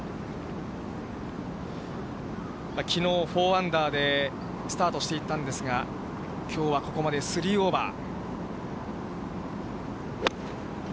きのう、４アンダーでスタートしていったんですが、きょうはここまで３オーバー。